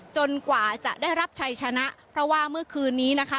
กว่าจะได้รับชัยชนะเพราะว่าเมื่อคืนนี้นะคะ